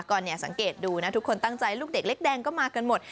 ก็เนี่ยสังเกตดูนะทุกคนตั้งใจลูกเด็กเล็กแดงก็มากันหมด